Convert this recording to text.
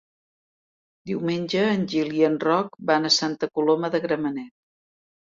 Diumenge en Gil i en Roc van a Santa Coloma de Gramenet.